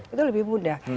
itu lebih mudah